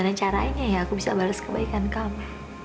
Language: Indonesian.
ada caranya ya aku bisa bales kebaikan kamu